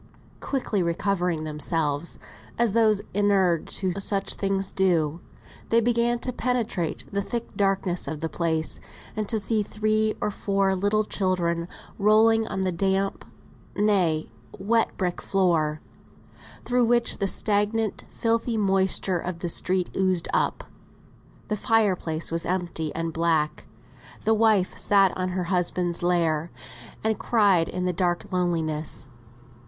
Quickly recovering themselves, as those inured to such things do, they began to penetrate the thick darkness of the place, and to see three or four little children rolling on the damp, nay wet, brick floor, through which the stagnant, filthy moisture of the street oozed up; the fire place was empty and black; the wife sat on her husband's lair, and cried in the dank loneliness.